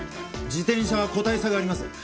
自転車は個体差があります。